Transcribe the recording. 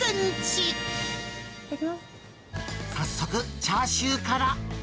早速、チャーシューから。